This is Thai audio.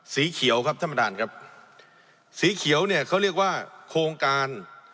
สีเขียวครับท่านประธานครับสีเขียวเนี่ยเขาเรียกว่าโครงการ